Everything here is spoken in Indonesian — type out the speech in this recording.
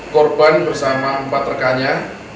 korban bersama empat rekannya